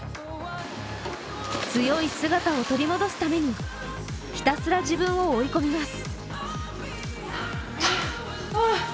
強い姿を取り戻すためにひたすら自分を追い込みます。